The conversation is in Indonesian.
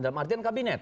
dalam artian kabinet